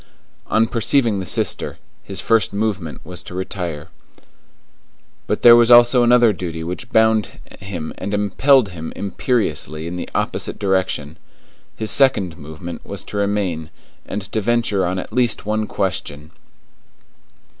On perceiving the sister, his first movement was to retire. But there was also another duty which bound him and impelled him imperiously in the opposite direction. His second movement was to remain and to venture on at least one question.